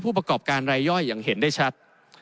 ประกอบการรายย่อยอย่างเห็นได้ชัด